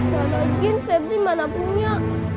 cerana jeans febri mana punya